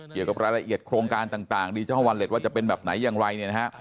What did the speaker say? เกี่ยวกับรายละเอียดโครงการต่างดิจิทัลวอลเล็ตว่าจะเป็นแบบไหนอย่างไรเนี่ยนะฮะ